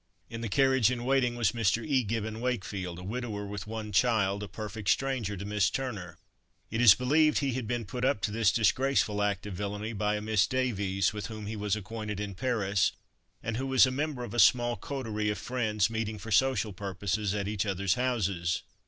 In the carriage in waiting was Mr. E. Gibbon Wakefield, a widower with one child (a perfect stranger to Miss Turner). It is believed he had been put up to this disgraceful act of villainy by a Miss Davies, with whom he was acquainted in Paris, and who was a member of a small coterie of friends, meeting for social purposes at each other's houses.